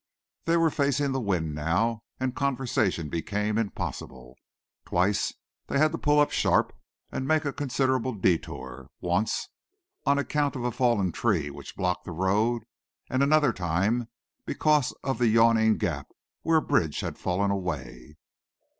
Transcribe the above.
They were facing the wind now, and conversation became impossible. Twice they had to pull up sharp and make a considerable detour, once on account of a fallen tree which blocked the road, and another time because of the yawning gap where a bridge had fallen away.